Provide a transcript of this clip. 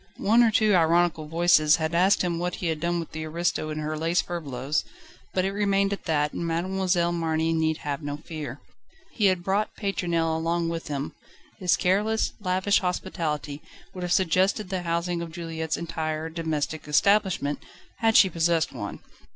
One or two ironical voices had asked him what he had done with the aristo and her lace furbelows, but it remained at that and Mademoiselle Marny need have no fear. He had brought Pétronelle along with him: his careless, lavish hospitality would have suggested the housing of Juliette's entire domestic establishment, had she possessed one.